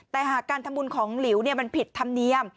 แต่หากการทำบุญของหลิวมันผิดธรรมเนียม